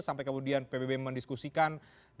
sampai kemudian pbb mendiskusikan